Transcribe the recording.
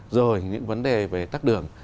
rồi những vấn đề về tắt đường